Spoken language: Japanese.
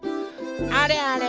あれあれ。